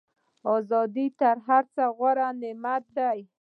ازادي تر هر څه غوره نعمت دی.